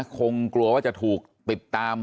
คงกลัวว่าจะถูกติดตาม